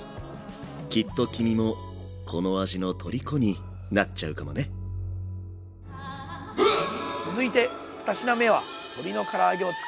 きっと君もこの味のトリコになっちゃうかもね続いて２品目は鶏のから揚げを使った酢豚です！